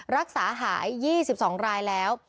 รักษาหาย๒๒รายแล้ว